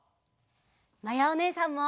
まやおねえさんも！